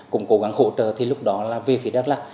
cũng cố gắng hỗ trợ lúc đó là về phía đắk lạc